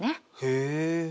へえ。